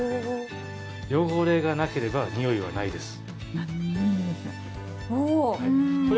汚れがなければにおいはないです。